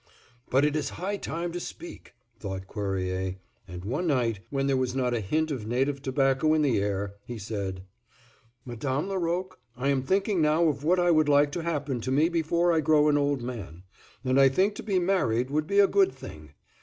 "But it is high time to speak," thought Cuerrier, and one night, when there was not a hint of native tobacco in the air, he said: "Madame Laroque, I am thinking now of what I would like to happen to me before I grow an old man, and I think to be married would be a good thing.